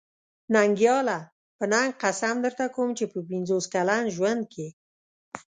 ننګياله! په ننګ قسم درته کوم چې په پنځوس کلن ژوند کې.